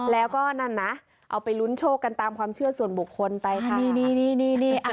แล้วก็นั่นนะเอาไปลุ้นโชว์กันตามความเชื่อส่วนบุคคลไปค่ะนี่นี่นี่นี่อ่ะ